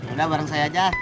udah bareng saya aja